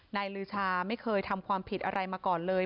ลือชาไม่เคยทำความผิดอะไรมาก่อนเลย